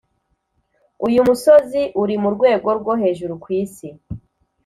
uyu musozi uri murwego rwo hejuru kwisi.